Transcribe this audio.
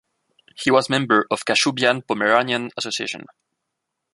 He was member of Kashubian-Pomeranian Association.